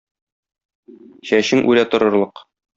Чәчең үрә торырлык.